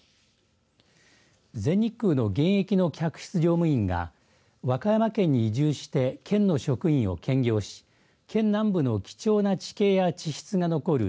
全日空の現役の客室乗務員が和歌山県に移住して県の職員を兼業し県南部の貴重な地形や地質が残る